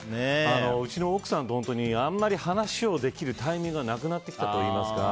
うちの奥さんとあんまり話をできるタイミングがなくなってきたといいますか。